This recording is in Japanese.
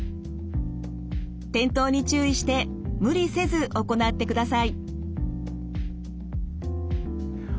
転倒に注意して無理せず行ってください。